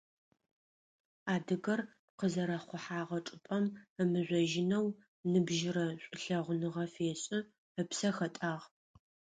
Адыгэр къызэрэхъухьэгъэ чӀыпӀэр ымыхъожьынэу ныбжьырэ шӀулъэгъуныгъэ фешӀы, ыпсэ хэтӀагъ.